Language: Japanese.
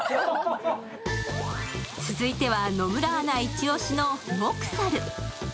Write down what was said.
続いては野村アナイチ押しのモクサル。